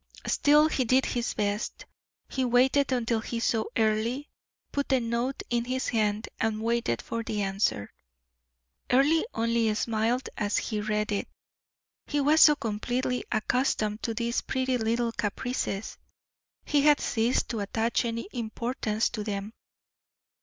Still, he did his best. He waited until he saw Earle, put the note in his hand, and waited for the answer. Earle only smiled as he read it. He was so completely accustomed to these pretty little caprices, he had ceased to attach any importance to them.